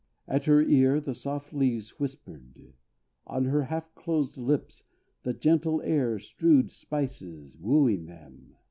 At her ear, The soft leaves whispered. On her half closed lips The gentle air strewed spices, wooing them.